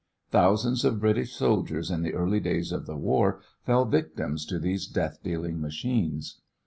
Thousands of British soldiers in the early days of the war fell victims to these death dealing machines.